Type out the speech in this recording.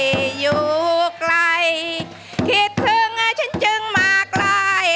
อบเตอร์มหาสนุกกลับมาสร้างความสนานครื้นเครงพร้อมกับแขกรับเชิง